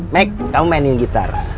mec kamu mainin gitar